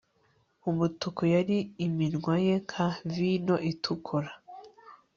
umutuku yari iminwa ye nka vino itukura-spilith irangi